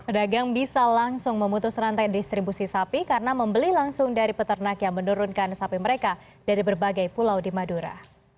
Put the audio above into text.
pedagang bisa langsung memutus rantai distribusi sapi karena membeli langsung dari peternak yang menurunkan sapi mereka dari berbagai pulau di madura